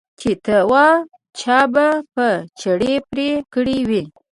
چې ته وا چا به په چړې پرې کړي وي.